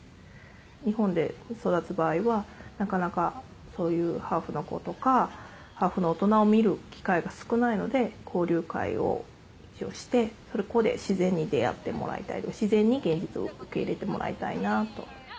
日本で育つ場合はなかなかそういうハーフの子とかハーフの大人を見る機会が少ないので交流会をしてそこで自然に出会ってもらいたい自然に現実を受け入れてもらいたいなと。